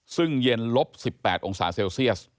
ซึ่งเย็นลบ๑๘องศาเซลเซียส